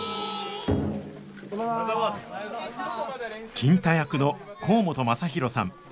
金太役の甲本雅裕さん。